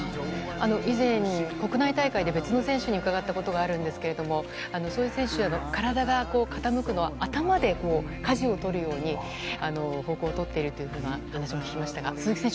以前、国内大会で別の選手にも伺ったことがあったんですがそういう選手への体が傾くのは頭でかじを取るように方向をとっているという話を聞きましたが鈴木選手